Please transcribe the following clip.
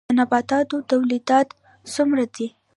د لبنیاتو تولیدات څومره دي؟